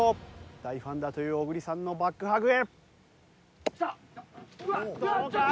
大ファンだという小栗さんのバックハグへ。